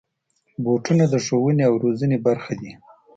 بوټونه د ښوونې او روزنې برخه دي.